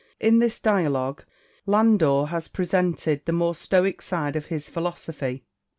In this dialogue Landor has pre sented the more Stoic side of his j^hilosophy.